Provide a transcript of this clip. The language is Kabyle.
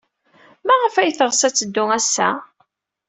Maɣef ay teɣs ad teddu ass-a?